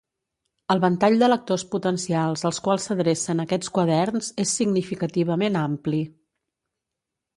El ventall de lectors potencials als quals s'adrecen aquests quaderns és significativament ampli.